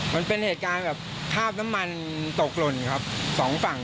มันเป็นเหตุการณ์แบบคาบน้ำมันตกหล่นครับสองฝั่ง